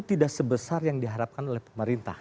tidak sebesar yang diharapkan oleh pemerintah